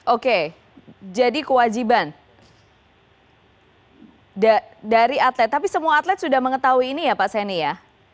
oke jadi kewajiban dari atlet tapi semua atlet sudah mengetahui ini ya pak seni ya